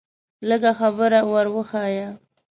لږه خبره ور وښیه.